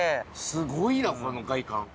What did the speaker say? すごいなこの外観。